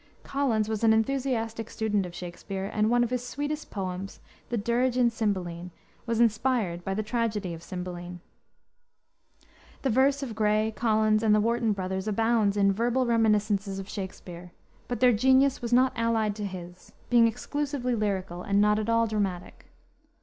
Collins was an enthusiastic student of Shakspere, and one of his sweetest poems, the Dirge in Cymbeline, was inspired by the tragedy of Cymbeline. The verse of Gray, Collins, and the Warton brothers, abounds in verbal reminiscences of Shakspere; but their genius was not allied to his, being exclusively lyrical, and not at all dramatic.